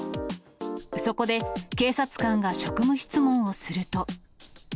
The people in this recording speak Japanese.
そこで、警察官が職務質問をすると。